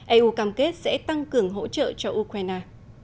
eu cam kết sẽ tăng cường hỗ trợ cho ukraine